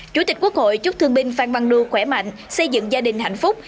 chủ tịch quốc hội chúc thương binh phan văn đu khỏe mạnh xây dựng gia đình hạnh phúc